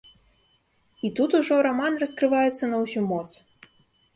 І тут ужо раман раскрываецца на ўсю моц!